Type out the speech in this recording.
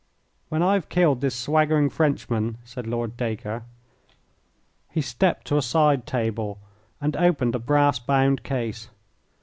"When I've killed this swaggering Frenchman," said Lord Dacre. He stepped to a side table and opened a brass bound case.